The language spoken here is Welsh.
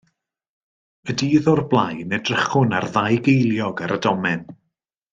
Y dydd o'r blaen edrychwn ar ddau geiliog ar y domen.